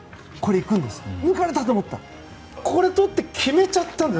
抜かれたと思ったらこれとって決めちゃったんです。